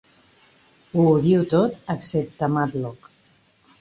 Ho odio tot excepte "Matlock".